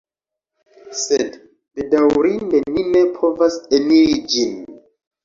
Sed, bedaŭrinde ni ne povas eniri ĝin.